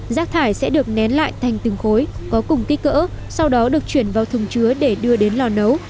rác thải sẽ được nén lại thành từng khối có cùng kích cỡ sau đó được chuyển vào thùng chứa để đưa đến lò nấu